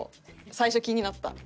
最初気になった。